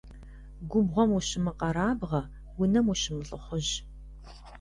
Губгъуэм ущымыкъэрабгъэ, унэм ущымылӀыхъужь.